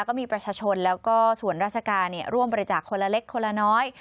ก็มีประชาชนแล้วก็ส่วนราชการร่วมบริจาคคนละเล็กคนละน้อย